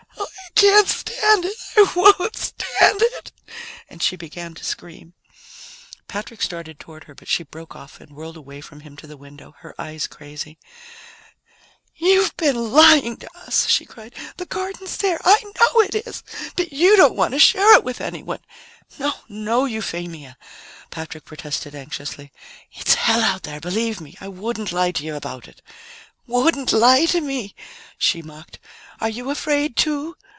Oh, I can't stand it! I won't stand it!" And she began to scream. Patrick started toward her, but she broke off and whirled away from him to the window, her eyes crazy. "You've been lying to us," she cried. "The garden's there. I know it is. But you don't want to share it with anyone." "No, no, Euphemia," Patrick protested anxiously. "It's hell out there, believe me. I wouldn't lie to you about it." "Wouldn't lie to me!" she mocked. "Are you afraid, too?"